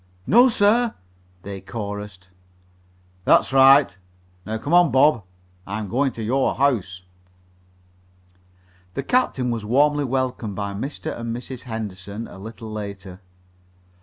"No, sir," they chorused. "That's right. Now come on, Bob. I'm going to your house." The captain was warmly welcomed by Mr. and Mrs. Henderson a little later.